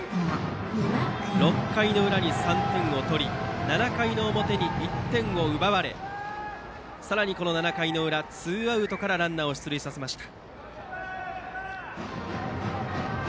６回の裏に３点を取り７回の表に１点を奪われさらに７回裏ツーアウトからランナーを出塁させました。